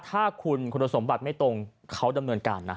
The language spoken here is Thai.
ถ้าคุณคุณสมบัติไม่ตรงเขาดำเนินการนะ